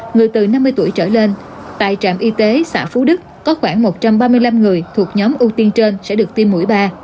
người từ năm mươi tuổi trở lên tại trạm y tế xã phú đức có khoảng một trăm ba mươi năm người thuộc nhóm ưu tiên trên sẽ được tiêm mũi ba